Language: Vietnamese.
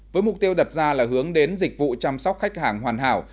với mục tiêu đặt ra là hướng đến dịch vụ chăm sóc khách hàng hoàn hảo